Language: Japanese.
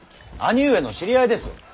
兄上の知り合いです。